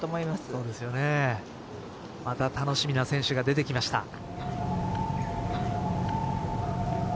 また楽しみな選手が出てきました。